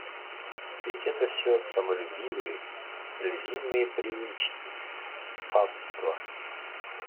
Ведь это все самолюбивые, львиные привычки, фатство.